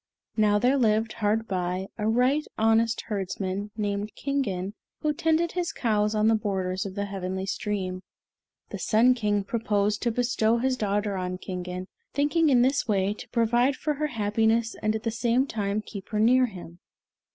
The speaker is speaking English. Now there lived, hard by, a right honest herdsman, named Kingen, who tended his cows on the borders of the Heavenly Stream. The Sun King proposed to bestow his daughter on Kingen, thinking in this way to provide for her happiness and at the same time keep her near him.